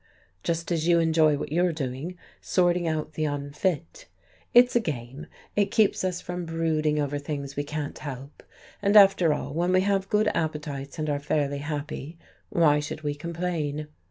Just as you enjoy what you're doing sorting out the unfit. It's a game, it keeps us from brooding over things we can't help. And after all, when we have good appetites and are fairly happy, why should we complain?"